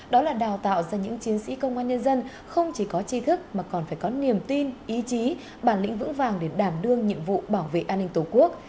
đó là đào tạo ra những chiến sĩ công an nhân dân không chỉ có chi thức mà còn phải có niềm tin ý chí bản lĩnh vững vàng để đảm đương nhiệm vụ bảo vệ an ninh tổ quốc